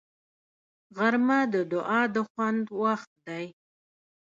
غرمه د دعا د خوند وخت دی